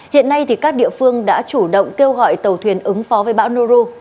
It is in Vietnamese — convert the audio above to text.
hiện nay các địa phương đã chủ động kêu gọi tàu thuyền ứng phó với bão noru